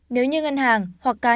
nếu như ngân hàng hoặc cá nhân